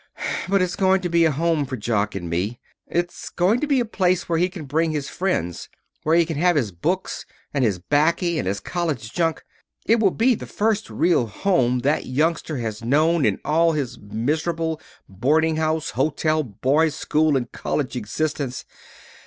But it's going to be a home for Jock and me. It's going to be a place where he can bring his friends; where he can have his books, and his 'baccy, and his college junk. It will be the first real home that youngster has known in all his miserable boarding house, hotel, boys' school, and college existence.